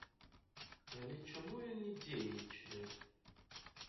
Але чаму ён не дзейнічае?